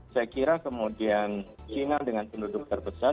saya kira kemudian china dengan penduduk terbesar